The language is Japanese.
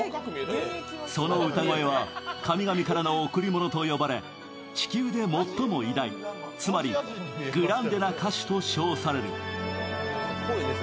その歌声は神々からの贈り物と呼ばれ、地球で最も偉大、つまりグランデ歌手と称される。